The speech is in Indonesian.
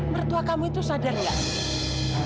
mertua kamu itu sadar gak